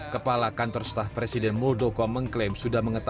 kepala kantor staf presiden muldoko mengklaim